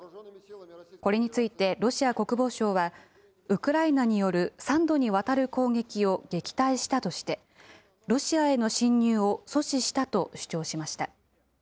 これについてロシア国防省は、ウクライナによる３度にわたる攻撃を撃退したとして、ロシアへの侵入を阻止したと主張しました。